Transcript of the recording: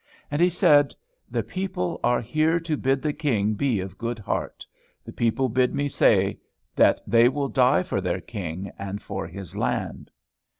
And he said, "The people are here to bid the King be of good heart. The people bid me say that they will die for their King and for his land."